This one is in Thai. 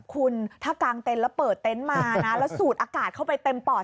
คุณถ้ากางเต็นต์แล้วเปิดเต็นต์มานะแล้วสูดอากาศเข้าไปเต็มปอด